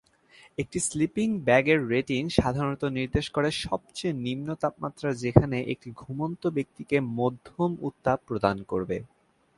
একটি sleeping bag এর rating সাধারণত নির্দেশ করে সবচেয়ে নিম্ন তাপমাত্রা যেখানে এটি ঘুমন্ত ব্যক্তিকে মধ্যম উত্তাপ প্রদান করবে।